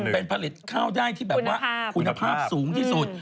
เป็นผลิตข้าวได้ที่แบบว่าคุณภาพสูงที่สุด